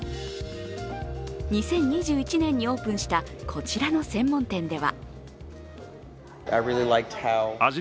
２０２１年にオープンしたこちらの専門店では。